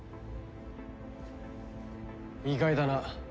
意外だな。